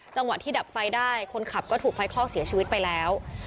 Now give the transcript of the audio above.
จังหวะที่ดับไฟได้คนขับก็ถูกไฟคลอกเสียชีวิตไปแล้ว